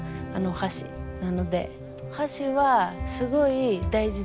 橋はすごい大事でした。